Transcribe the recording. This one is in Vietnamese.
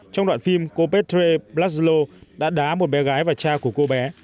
trong đoạn phim cô petrae blaszlo đã đá một bé gái và cha của cô bé